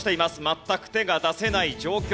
全く手が出せない状況。